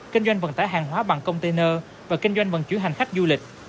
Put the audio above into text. kinh doanh vận tải hàng hóa bằng container và kinh doanh vận chuyển hành khách du lịch